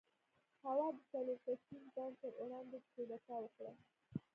هوا د څلور کسیز بانډ پر وړاندې کودتا وکړه.